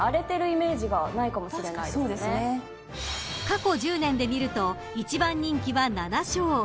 ［過去１０年で見ると１番人気は７勝］